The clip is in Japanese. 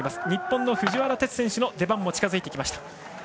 日本の藤原哲選手の出番も近づいてきました。